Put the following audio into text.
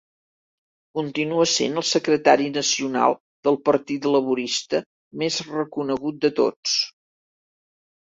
Continua sent el Secretari Nacional del Partit Laborista més reconegut de tots.